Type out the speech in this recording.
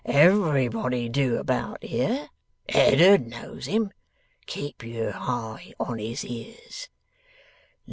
Everybody do about here. Eddard knows him. (Keep yer hi on his ears.)